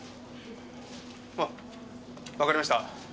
あっわかりました。